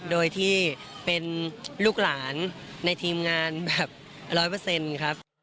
โดยที่เป็นลูกหลานในทีมงานแบบร้อยเปอร์เซ็นต์ครับ